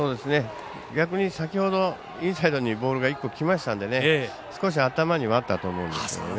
逆に先ほどインサイドにボールが１個きましたので少し頭にはあったと思うんですけどね。